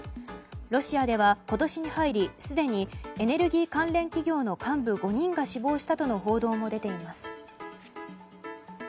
ロシアでは今年に入りすでにエネルギー関連企業の幹部５人が死亡したとの報道も出ています。